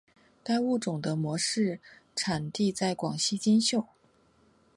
该物种的模式产地在广西金秀。